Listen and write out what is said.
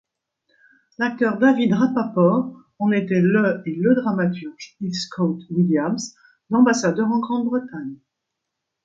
L'acteur David Rappaport en était le et le dramaturge Heathcote Williams, l'ambassadeur en Grande-Bretagne.